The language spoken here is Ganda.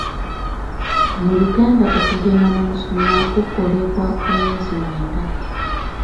Mu Uganda okugema namusuna kukolebwa ku myezi mwenda.